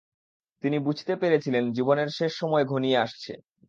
তিনি বুঝতে পেরেছিলেন জীবনের শেষ সময় ঘনিয়ে আসছে।